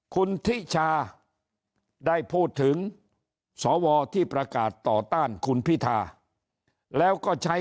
คุณทิชาได้พูดถึงสวที่ประกาศต่อต้านคุณพิธาแล้วก็ใช้